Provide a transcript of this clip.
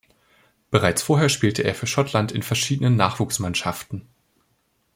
Bereits vorher spielte er für Schottland in verschiedenen Nachwuchsmannschaften.